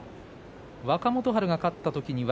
若元春が勝った時には